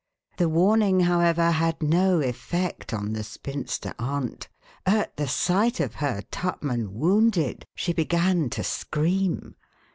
The warning, however, had no effect on the spinster aunt. At the sight of her Tupman wounded, she began to scream.